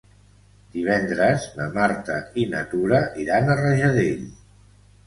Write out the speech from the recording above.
Divendres na Marta i na Tura iran a Rajadell.